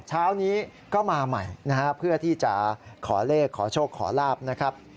เช้านี้ก็มาใหม่นะฮะเพื่อที่จะขอเลขขอโชคขอลาบนะครับ